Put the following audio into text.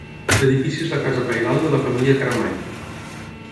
L'edifici és la casa pairal de la família Caramany.